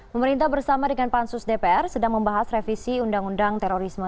pemerintah bersama dengan pansus dpr sedang membahas revisi undang undang terorisme